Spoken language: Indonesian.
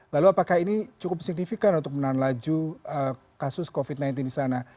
lalu apakah ini cukup signifikan untuk menahan laju kasus covid sembilan belas di sana